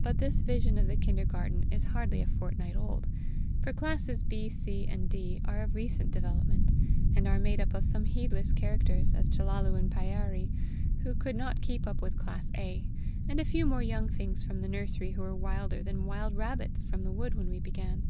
But this vision of the kindergarten is hardly a fortnight old; for Classes B, C, and D are of recent development, and are made up of some heedless characters, as Chellalu and Pyârie, who could not keep up with class A, and a few more young things from the nursery who were wilder than wild rabbits from the wood when we began.